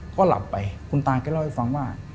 ก็หลับไปคุณตาว่า